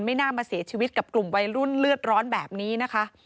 ไม่น่ามาเสียชีวิตกับกลุ่มวัยรุ่นเลือดร้อนแบบนี้นะคะ